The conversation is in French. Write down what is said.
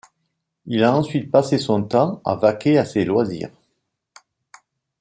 Il a ensuite passé son temps à vaquer à ses loisirs.